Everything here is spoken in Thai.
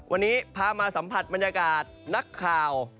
วันนี้พามาสัมผัสบรรยากาศนักข่าว